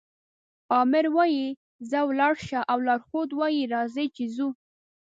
آمر وایي ځه ولاړ شه او لارښود وایي راځئ چې ځو.